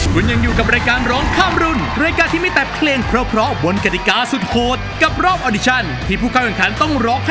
คราวนี้นะฮะเราจะได้เจอกับเจ้านูอสรพิษร้ายจากจันทะบุรีนั่นเองครับ